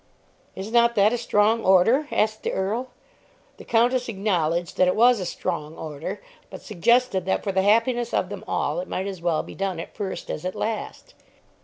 "Is not that a strong order?" asked the Earl. The Countess acknowledged that it was a "strong order," but suggested that for the happiness of them all it might as well be done at first as at last.